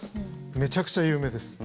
めちゃくちゃ有名です。